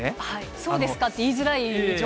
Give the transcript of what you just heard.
そうですかって言いづらい情